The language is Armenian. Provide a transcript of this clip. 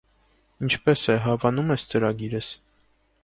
Ի՞նչպես է, հավանո՞ւմ ես ծրագիրս: